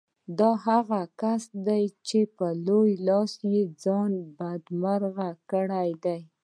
دا هغه کسان دي چې په لوی لاس يې ځانونه بدمرغه کړي دي.